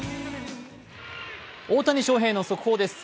大谷翔平の速報です。